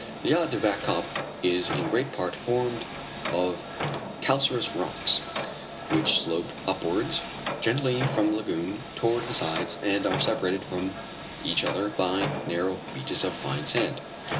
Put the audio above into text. The islet of Back Cup is in great part formed of calcareous rocks, which slope upwards gently from the lagoon towards the sides and are separated from each other by narrow beaches of fine sand.